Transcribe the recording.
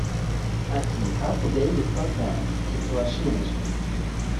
Ati “Hakurya y’imipaka ntituhashinzwe